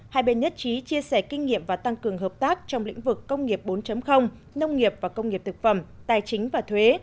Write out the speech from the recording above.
hai bên nhất trí chia sẻ kinh nghiệm và tăng cường hợp tác trong lĩnh vực công nghiệp bốn nông nghiệp và công nghiệp thực phẩm tài chính và thuế